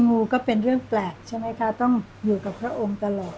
งูก็เป็นเรื่องแปลกใช่ไหมคะต้องอยู่กับพระองค์ตลอด